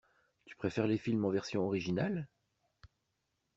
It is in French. Tu préfères les films en version originale?